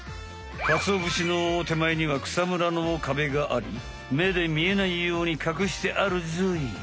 かつおぶしのてまえには草むらのカベがあり目で見えないようにかくしてあるぞい。